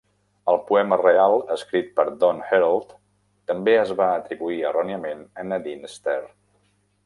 El poema real, escrit per Don Herold, també es va atribuir erròniament a Nadine Stair.